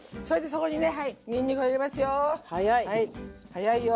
早いよ。